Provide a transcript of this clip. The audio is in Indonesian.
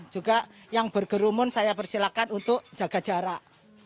juga yang berkerumun saya persilakan untuk jaga jarak